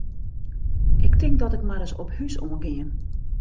Ik tink dat ik mar ris op hús oan gean.